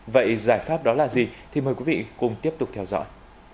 vậy giải pháp đó là gì thì mời quý vị cùng tiếp tục theo dõi